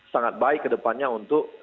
sangat baik kedepannya untuk